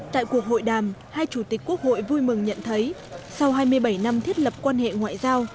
tại cuộc hội đàm hai chủ tịch quốc hội vui mừng nhận thấy sau hai mươi bảy năm thiết lập quan hệ ngoại giao